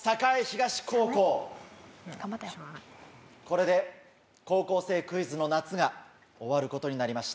これで『高校生クイズ』の夏が終わることになりました。